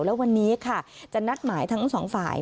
แล้ววันนี้ค่ะจะนัดหมายทั้งสองฝ่าย